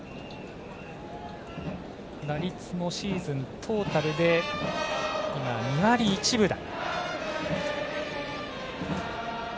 打率もシーズントータルで今、２割１分台。